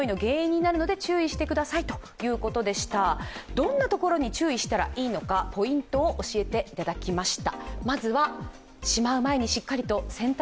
どんなところに注意したらいいのか、ポイントを教えていただきました。